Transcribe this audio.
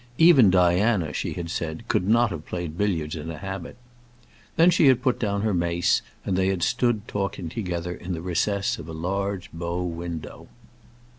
"Even Diana," she had said, "could not have played billiards in a habit." Then she had put down her mace, and they had stood talking together in the recess of a large bow window.